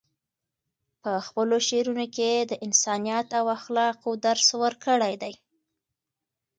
په خپلو شعرونو کې یې د انسانیت او اخلاقو درس ورکړی دی.